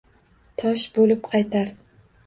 Tosh boʼlib qaytar